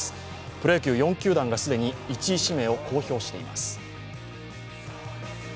プロ野球４球団が既に１位指名を公表しています